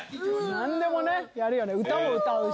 何でもやるよね。